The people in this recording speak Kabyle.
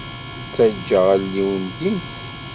Taǧǧaɣ allen-iw ldint.